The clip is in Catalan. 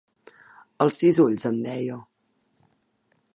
El sis-ulls, en deia.